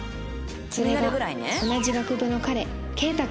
それは同じ学部の彼ケイタ君